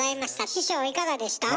師匠いかがでした？